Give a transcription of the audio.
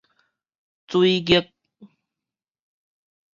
水逆